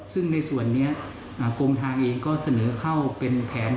ซึ่งในส่วนนี้กรมทางเองก็เสนอเข้าเป็นแผน